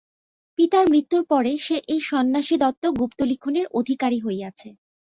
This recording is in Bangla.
পিতার মৃত্যুর পরে সে এই সন্ন্যাসীদত্ত গুপ্তলিখনের অধিকারী হইয়াছে।